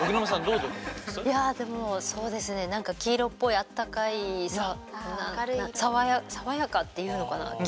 いやでもそうですねなんか黄色っぽいあったかい爽や爽やかっていうのかな？